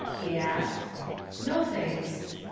he asked. "No, thanks."